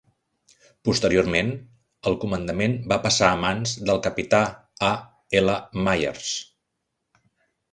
Posteriorment, el comandament va passar a mans del capità A. L. Myers.